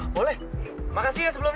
boleh makasih ya sebelumnya